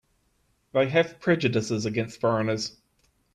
They have prejudices against foreigners.